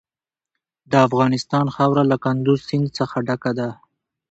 د افغانستان خاوره له کندز سیند څخه ډکه ده.